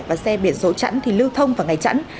và xe biển số chẵn thì lưu thông vào ngày chẵn